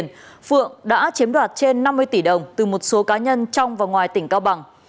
trần phượng đã chiếm đoạt trên năm mươi tỷ đồng từ một số cá nhân trong và ngoài tỉnh cao bằng